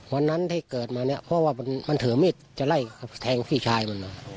วันนั้นที่เกิดมาเนี่ยเพราะว่ามันถือมีดจะไล่แทงพี่ชายมัน